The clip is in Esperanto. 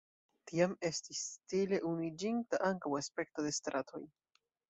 Tiam estis stile unuiĝinta ankaŭ aspekto de stratoj.